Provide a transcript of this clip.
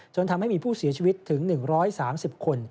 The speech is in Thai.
จนทำให้มีผู้เสียชีวิตถึง๑๓๐คน